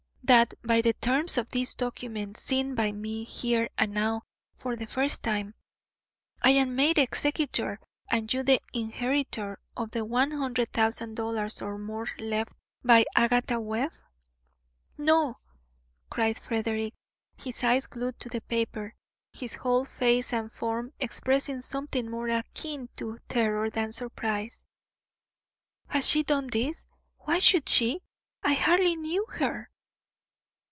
That by the terms of this document, seen by me here and now for the first time, I am made executor and you the inheritor of the one hundred thousand dollars or more left by Agatha Webb?" "No!" cried Frederick, his eyes glued to the paper, his whole face and form expressing something more akin to terror than surprise. "Has she done this? Why should she? I hardly knew her."